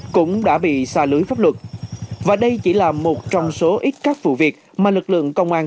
cũng đã bị xa lưới pháp luật và đây chỉ là một trong số ít các vụ việc mà lực lượng công an